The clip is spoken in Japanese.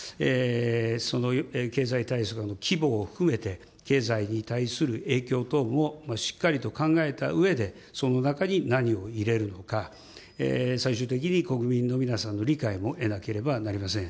その経済対策の規模を含めて、経済に対する影響等もしっかりと考えたうえで、その中に何を入れるのか、最終的に国民の皆さんの理解も得なければなりません。